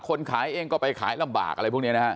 คนขายเองก็ไปขายลำบากอะไรพวกนี้นะฮะ